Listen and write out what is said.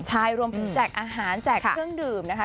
ใช่รวมถึงแจกอาหารแจกเครื่องดื่มนะคะ